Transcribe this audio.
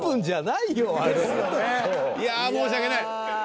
いや申し訳ない。